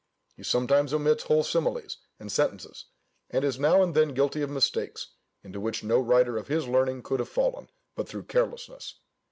He sometimes omits whole similes and sentences; and is now and then guilty of mistakes, into which no writer of his learning could have fallen, but through carelessness.